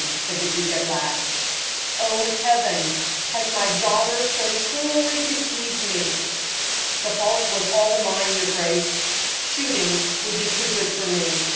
said the duke, at last. "Oh, Heaven! has my daughter so cruelly deceived me?" "The fault was all mine, your grace; shooting would be far too good for me.